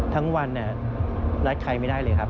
ทั้งวันนี่รัดไขไม่ได้เลยครับ